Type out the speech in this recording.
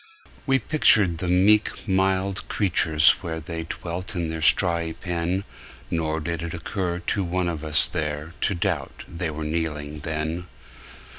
We pictured the meek mild creatures where They dwelt in their strawy pen, Nor did it occur to one of us there To doubt they were kneeling then.